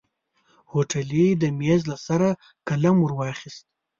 هوټلي د ميز له سره قلم ور واخيست.